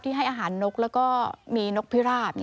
ให้อาหารนกแล้วก็มีนกพิราบ